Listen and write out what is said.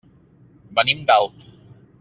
Venim d'Alp.